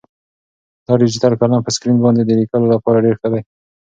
دا ډیجیټل قلم په سکرین باندې د لیکلو لپاره ډېر ښه دی.